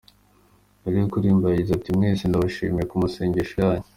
Mbere yo kuririmba yagize ati “Mwese ndabashimiye ku masengesho yanyu”.